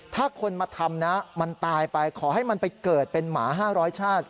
ถ้าคนมาทำนะมันตายไปขอให้มันไปเกิดเป็นหมา๕๐๐ชาติ